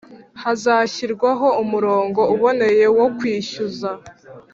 hazashyirwaho umurongo uboneye wo kwishyuza